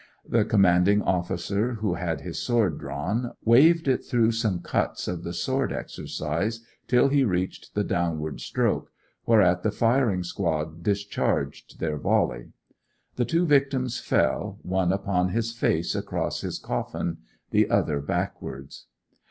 The commanding officer, who had his sword drawn, waved it through some cuts of the sword exercise till he reached the downward stroke, whereat the firing party discharged their volley. The two victims fell, one upon his face across his coffin, the other backwards.